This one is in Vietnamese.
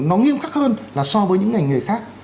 nó nghiêm khắc hơn là so với những ngành nghề khác